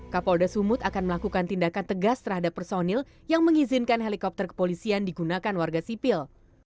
kapolda sumut akan melakukan tindakan tegas terhadap personil yang mengizinkan helikopter kepolisian digunakan warga sipil